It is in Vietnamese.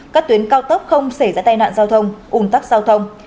các tuyến cao tốc không xảy ra tai nạn giao thông ủn tắc giao thông